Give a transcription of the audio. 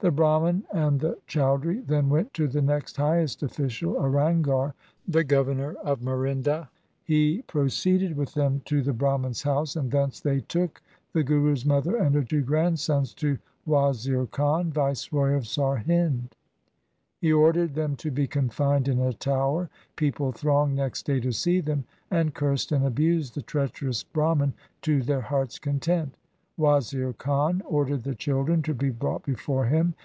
The Brahman and the Chaudhri then went to the next highest official, a Ranghar, the governor of Murinda. He proceeded LIFE OF GURU GOBIND SINGH 195 with them to the Brahman's house, and thence they took the Guru's mother and her two grandsons to Wazir Khan, Viceroy of Sarhind. He ordered them to be confined in a tower. People thronged next day to see them, and cursed and abused the treacherous Brahman to their hearts' content. Wazir Khan ordered the children to be brought before him.